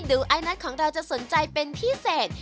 ไอนัทของเราจะสนใจเป็นพิเศษ